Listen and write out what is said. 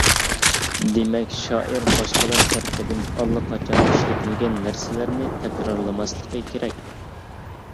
دېمەك، شائىر باشقىلار تەرىپىدىن ئاللىقاچان ئىشلىتىلگەن نەرسىلەرنى تەكرارلىماسلىقى كېرەك.